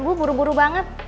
bu buru buru banget